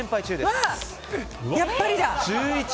やっぱりだ。